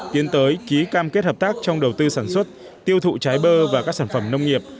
tiến tới ký cam kết hợp tác trong đầu tư sản xuất tiêu thụ trái bơ và các sản phẩm nông nghiệp